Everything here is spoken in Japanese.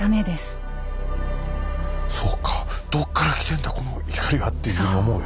そうか「どっから来てんだこの光は」っていうふうに思うよね。